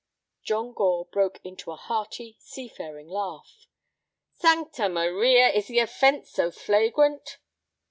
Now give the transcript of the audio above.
John Gore broke into a hearty, seafaring laugh. "Sancta Maria! is the offence so flagrant?"